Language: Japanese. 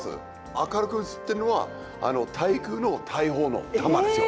明るく映ってるのは対空の大砲の弾ですよ。